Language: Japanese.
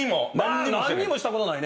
何にもしたことないね。